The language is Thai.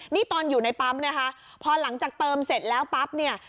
นี่ตอนอยู่ในปั๊มนะคะพอหลังจากเติมเสร็จแล้วปั๊บเนี่ย